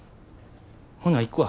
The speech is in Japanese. ほな行くわ。